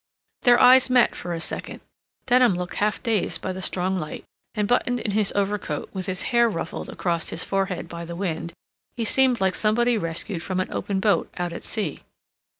Their eyes met for a second. Denham looked half dazed by the strong light, and, buttoned in his overcoat, with his hair ruffled across his forehead by the wind, he seemed like somebody rescued from an open boat out at sea.